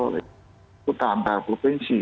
di kota antar provinsi